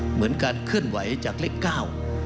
เหมือนการเคลื่อนไหวจากเลขเก้า